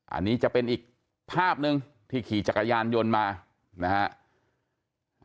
อันนี้จะเป็นอีกภาพหนึ่งที่ขี่จักรยานยนต์มานะฮะ